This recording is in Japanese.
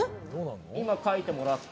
今描いてもらった。